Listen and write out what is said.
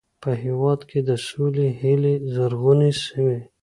په هېواد کې د سولې هیلې زرغونې سوې.